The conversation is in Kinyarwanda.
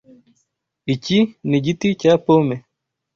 Iki ni igiti cya pome.